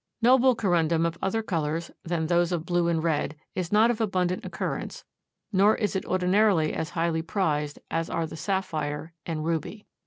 Noble Corundum of other colors than those of blue and red is not of abundant occurrence nor is it ordinarily as highly prized as are the sapphire and ruby.